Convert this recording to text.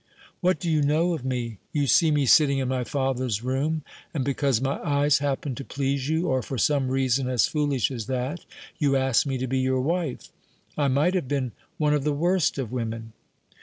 What do you know of me? You see me sitting in my father's room, and because my eyes happen to please you, or for some reason as foolish as that, you ask me to be your wife. I might have been one of the worst of women."